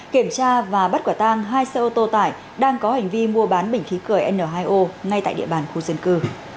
kiểm tra và bắt quả tang hai xe ô tô tải đang có hành vi mua bán bình khí cười n hai o ngay tại địa bàn khu dân cư